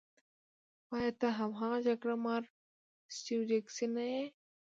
خو ایا ته هماغه جګړه مار سټیو ډیکسي نه یې